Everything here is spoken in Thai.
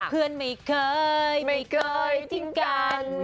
เพื่อนไม่เคยไม่เคยทิ้งกัน